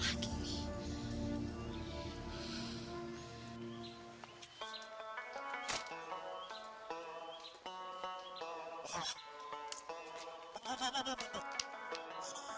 ya allah hujan apa lagi ini